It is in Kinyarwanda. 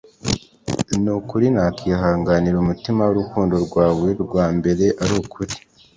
nukuri nakwihanganira umutima wurukundo rwawe rwa mbere arukuri